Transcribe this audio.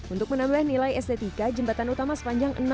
untuk menambah nilai estetika jembatan utama sepanjang